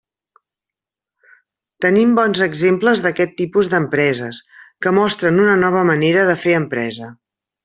Tenim bons exemples d'aquest tipus d'empreses, que mostren una nova manera de fer empresa.